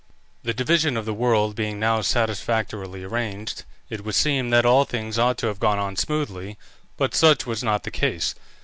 The division of the world being now satisfactorily arranged, it would seem that all things ought to have gone on smoothly, but such was not the case.